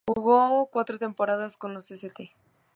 Jugó cuatro temporadas con los "St.